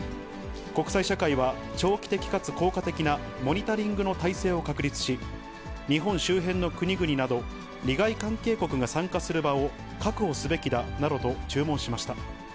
国際社会は、長期的かつ効果的なモニタリングの体制を確立し、日本周辺の国々など、利害関係国が参加する場を確保すべきだなどと注文しました。